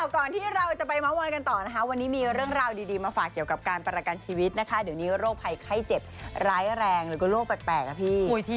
ก่อนที่เราจะไปเมาส์มอยกันต่อนะคะวันนี้มีเรื่องราวดีมาฝากเกี่ยวกับการประกันชีวิตนะคะเดี๋ยวนี้โรคภัยไข้เจ็บร้ายแรงแล้วก็โรคแปลกนะพี่